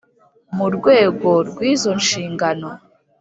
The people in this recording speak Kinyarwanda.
Mu rwego rw izo nshingano